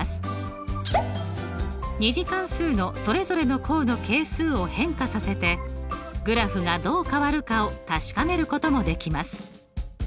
２次関数のそれぞれの項の係数を変化させてグラフがどう変わるかを確かめることもできます。